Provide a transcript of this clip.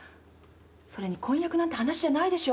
それに婚約なんて話じゃないでしょう。